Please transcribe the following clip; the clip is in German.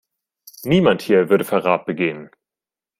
Niemand hier würde Verrat begehen.